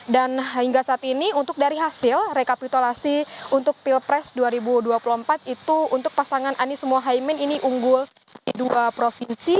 hingga saat ini untuk dari hasil rekapitulasi untuk pilpres dua ribu dua puluh empat itu untuk pasangan anies mohaimin ini unggul di dua provinsi